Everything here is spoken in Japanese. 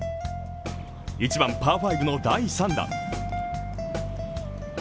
１番、パー５の第３打。